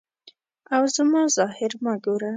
او زما ظاهر مه ګوره.